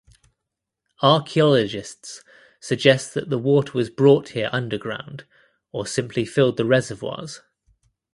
Archeologists suggest that the water was brought here underground or simply filled the reservoirs.